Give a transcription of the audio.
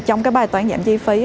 trong bài toán giảm chi phí